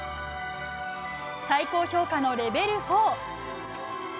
最高評価のレベル４。